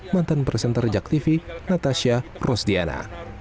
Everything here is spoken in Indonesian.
mantan presenter jaktivi natasha rosdiana